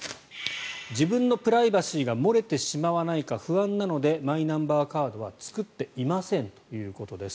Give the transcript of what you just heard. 自分のプライバシーが漏れてしまわないか不安なのでマイナンバーカードは作っていませんということです。